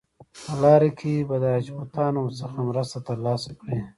په لاره کې به د راجپوتانو څخه مرستې ترلاسه کړي.